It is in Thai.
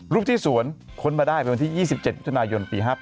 รูปที่สวนค้นมาได้เป็นวันที่๒๗ธุระยนต์ปี๕๘